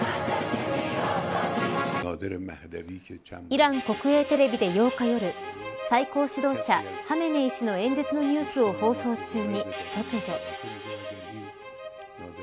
イラン国営テレビで８日夜最高指導者ハメネイ師の演説のニュースを放送中に突如。